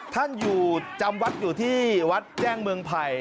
ท่านอยู่จำวัดอยู่ที่วัดแจ้งเมืองไผ่